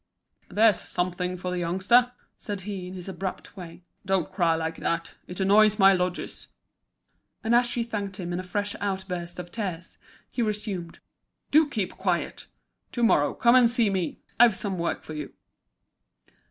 "There! there's something for the youngster," said he in his abrupt way. "Don't cry like that; it annoys my lodgers." And as she thanked him in a fresh outburst of tears, he resumed: "Do keep quiet! To morrow come and see me. I've some work for you."